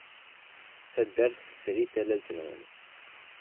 Taddart tesri tallalt-nwen.